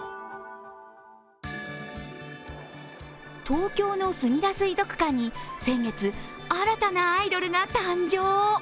東京のすみだ水族館に先月、新たなアイドルが誕生。